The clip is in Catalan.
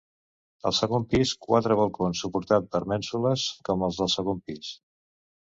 Al segon pis quatre balcons suportats per mènsules com els del segon pis.